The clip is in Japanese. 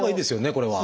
これは。